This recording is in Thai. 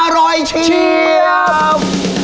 อร่อยเชียบ